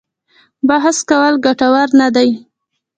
بحث کول ګټور نه دي.